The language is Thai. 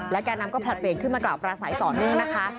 แก่นำก็ผลัดเปลี่ยนขึ้นมากล่าวปราศัยต่อเนื่องนะคะ